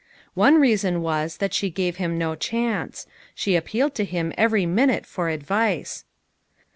One reason was, that she gave him no chance. She appealed to him every minute for advice.